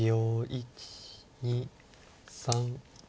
１２３。